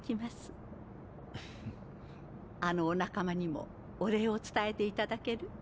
あのお仲間にもお礼を伝えて頂ける？